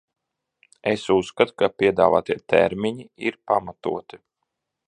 Es uzskatu, ka piedāvātie termiņi ir pamatoti.